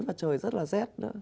và trời rất là rét